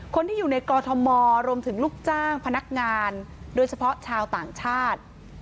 คนที่อยู่ในกอทมรวมถึงลูกจ้างพนักงานโดยเฉพาะชาวต่างชาติ